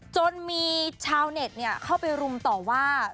จนมีชาวเน็ตเข้าไปรุมต่อว่า